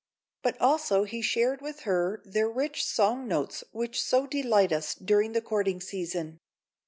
But also he shared with her their rich song notes which so delight us during the courting season.